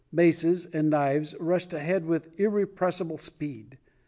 ] maces, and knives, rushed ahead with irrepressible speed.